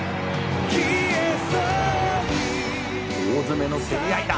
「大詰めの競り合いだ」